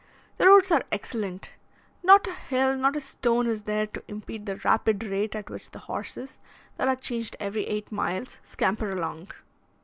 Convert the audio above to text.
The roads are excellent; not a hill, not a stone is there to impede the rapid rate at which the horses, that are changed every eight miles, scamper along.